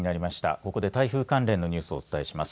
ここで台風関連のニュースをお伝えします。